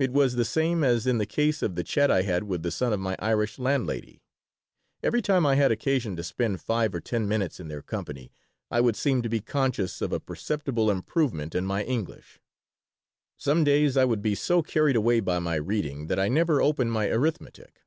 It was the same as in the case of the chat I had with the son of my Irish landlady. Every time I had occasion to spend five or ten minutes in their company I would seem to be conscious of a perceptible improvement in my English Some days I would be so carried away by my reading that I never opened my arithmetic.